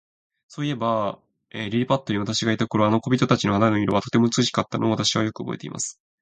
そういえば、リリパットに私がいた頃、あの小人たちの肌の色は、とても美しかったのを、私はよくおぼえています。